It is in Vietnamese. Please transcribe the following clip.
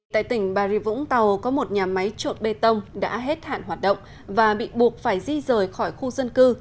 tại tỉnh bà rịa vũng tàu có một nhà máy trộn bê tông đã hết hạn hoạt động và bị buộc phải di rời khỏi khu dân cư